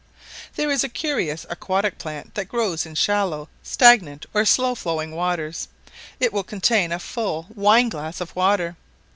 There is a curious aquatic plant that grows in shallow, stagnant, or slow flowing waters; it will contain a full wine glass of water.